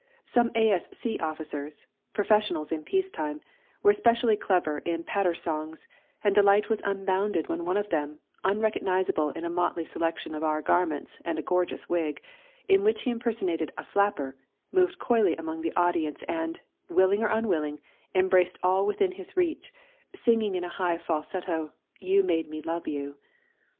Some A.S.C. officers (professionals in peace time) were especially clever in patter songs, and delight was unbounded when one of them, unrecognisable in a motley selection of our garments and a gorgeous wig, in which he impersonated a "flapper," moved coyly among the audience and, willing or unwilling, embraced all within his reach, singing in a high falsetto, "You made me love you."